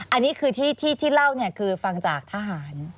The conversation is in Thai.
อันนี้คือที่เล่าเนี่ยคือฟังจากทหาร